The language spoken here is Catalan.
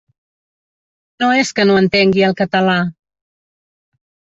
No és que no entengui el català.